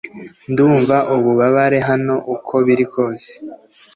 Ndumva ububabare hano uko biri kose